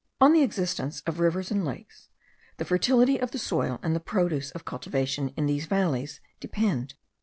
On the existence of rivers and lakes, the fertility of the soil and the produce of cultivation in these valleys depend.